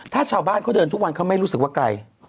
ถ้าชาวบ้านเขาเดินทุกวันเขาไม่รู้สึกว่าไกล